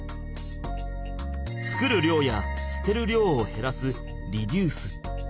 作る量や捨てる量をへらすリデュース。